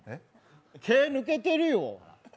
「け」抜けてるよ。